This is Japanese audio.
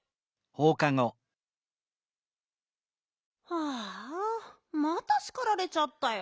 はあまたしかられちゃったよ。